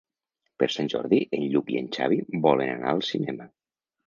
Per Sant Jordi en Lluc i en Xavi volen anar al cinema.